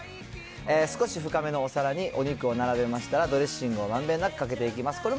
少し深めのお皿にお肉を並べましたら、ドレッシングをまんべんなくかけていきます。